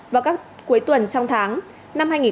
vào các cuối tuần trong tháng